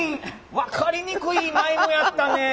分かりにくいマイムやったね。